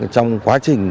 trong quá trình